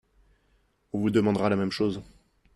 On vous demandera la même chose.